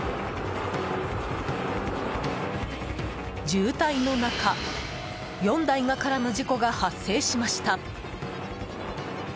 渋滞の中、４台が絡む事故が発生しました。